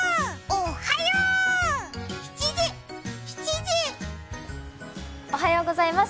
おはようございます。